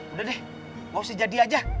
udah deh gak usah jadi aja